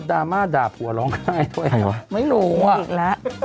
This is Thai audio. ดราม่าด่าผัวร้องไห้ด้วย